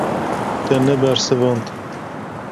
Te nebersivand.